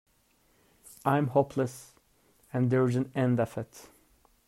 I'm hopeless, and there's an end of it.